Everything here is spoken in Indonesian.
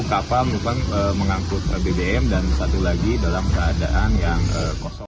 kepala bbm yang terseret pembat dan satu lagi dalam keadaan yang kosong